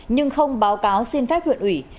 nhưng không báo cáo xin phép huyện ủy